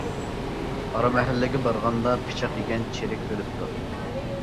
ئارا مەھەللىگە بارغاندا پىچاق يېگەن چېرىك ئۆلۈپتۇ.